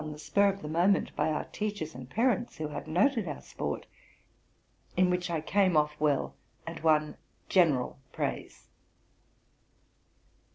the spur of the moment by our teachers and parents, who had noted our sport, — in which I came off well, and won general praise.